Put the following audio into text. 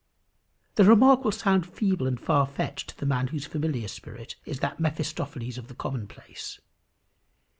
The remark will sound feeble and far fetched to the man whose familiar spirit is that Mephistopheles of the commonplace.